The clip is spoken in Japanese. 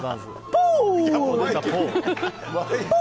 ポー！